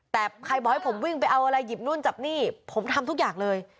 แต่ใครบอกให้ผมวิ่งไปเอาอะไรหยิบนู่นจับนี่ผมทำทุกอย่างเลย